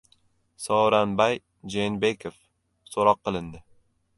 Sooranbay Jeenbekov so‘roq qilindi